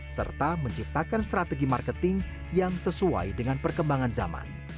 serta menciptakan strategi marketing yang sesuai dengan perkembangan zaman